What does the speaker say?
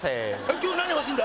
今日何ほしいんだ？